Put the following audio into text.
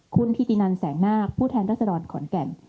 คุณพีทีนันแสงนาคผู้แทนราชดรขอนแก่ม